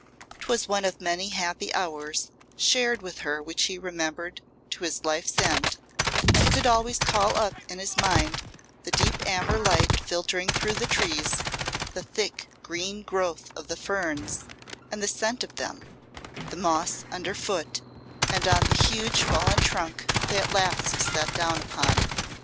'Twas one of many happy hours shared with her which he remembered to his life's end, and could always call up in his mind the deep amber light filtering through the trees, the thick green growth of the ferns and the scent of them, the moss under foot and on the huge fallen trunk they at last sate down upon.